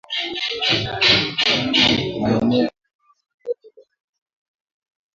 Maeneo yote Kenya